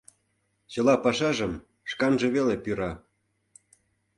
Чыла пашажым шканже веле пӱра.